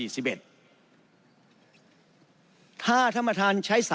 ถ้าท่านประธานใช้๓